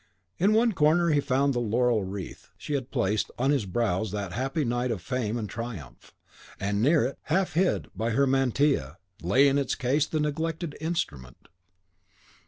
In one corner he found the laurel wreath she had placed on his brows that happy night of fame and triumph; and near it, half hid by her mantilla, lay in its case the neglected instrument.